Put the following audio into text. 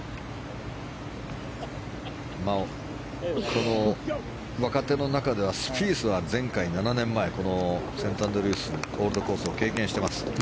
この若手の中ではスピースは前回７年前このセントアンドリュース・オールドコースを経験しています。